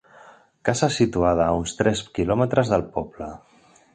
Casa situada a uns tres quilòmetres del poble.